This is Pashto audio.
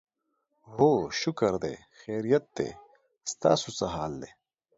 هو شکر دی، خیریت دی، ستاسو څه حال دی؟